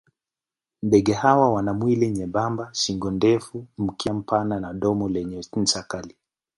Ndege hawa wana mwili mwembamba, shingo ndefu, mkia mpana na domo lenye ncha kali.